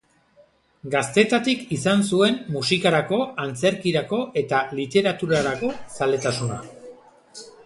Gaztetatik izan zuen musikarako, antzerkirako eta literaturarako zaletasuna.